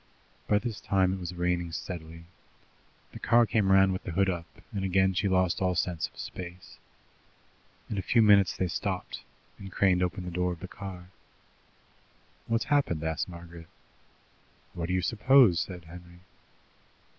By this time it was raining steadily. The car came round with the hood up, and again she lost all sense of space. In a few minutes they stopped, and Crane opened the door of the car. "What's happened?" asked Margaret. "What do you suppose?" said Henry.